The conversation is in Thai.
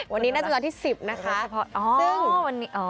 วันนี้น่าจะเป็นตอนที่๑๐นะคะ